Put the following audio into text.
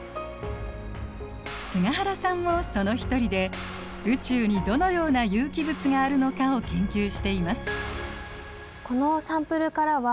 菅原さんもその一人で宇宙にどのような有機物があるのかを研究しています。